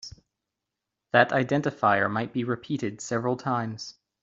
That identifier might be repeated several times.